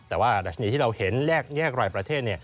แต่ว่าดัชนีที่เราเห็นแยกรายประเทศ